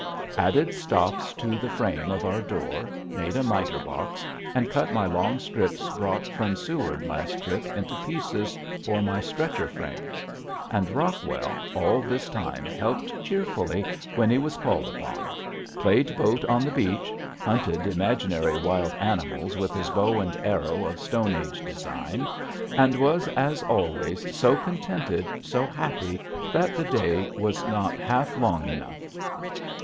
Added stops to the frame of our door, made a miter box, and cut my long strips brought from Seward last trip into pieces for my stretcher frames. And Rockwell all this time helped cheerfully when he was called upon, played boat on the beach, hunted imaginary wild animals with his bow and arrow of stone age design, and was as always so contented, so happy that the day was not half long enough.